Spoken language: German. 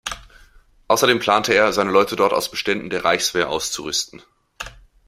Außerdem plante er, seine Leute dort aus Beständen der Reichswehr auszurüsten.